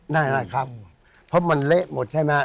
น่ารักครับเพราะมันเละหมดใช่ไหมครับ